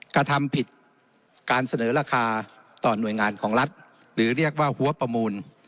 กระทำผิดการเสนอราคาต่อหน่วยงานของรัฐหรือเรียกว่าหัวประมูล